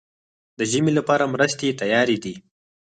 د ژمي لپاره مرستې تیارې دي؟